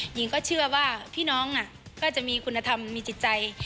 หญิงก็เชื่อว่าพี่น้องก็จะมีคุณธรรมมีจิตใจ